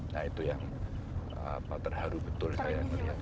nah itu yang terharu betul saya melihat